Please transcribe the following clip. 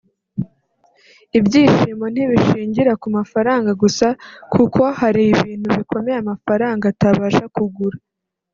Ibyishimo ntibishingira ku mafaranga gusa kuko hari ibintu bikomeye amafaranga atabasha kugura